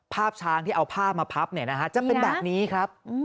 ภาพช้างที่เอาภาพมาพับเนี่ยนะฮะจะเป็นแบบนี้ครับ